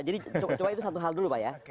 jadi coba itu satu hal dulu pak ya